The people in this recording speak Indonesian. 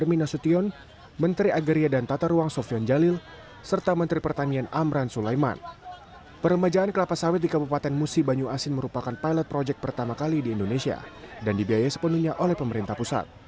ini merupakan pilot proyek pertama kali di indonesia dan dibiaya sepenuhnya oleh pemerintah pusat